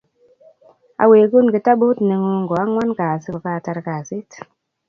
awengun kitabut nengung ko anguan kasi ko katar kasit